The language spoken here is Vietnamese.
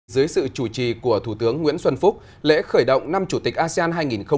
dưới sự chủ trì của thủ tướng nguyễn xuân phúc lễ khởi động năm chủ tịch asean hai nghìn hai mươi